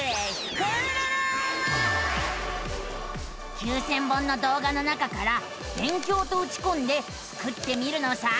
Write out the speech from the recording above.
９，０００本の動画の中から「勉強」とうちこんでスクってみるのさあ。